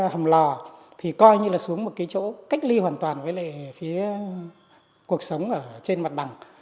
hầm lò thì coi như là xuống một cái chỗ cách ly hoàn toàn với lại phía cuộc sống ở trên mặt bằng